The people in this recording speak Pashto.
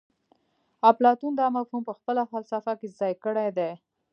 اپلاتون دا مفهوم په خپله فلسفه کې ځای کړی دی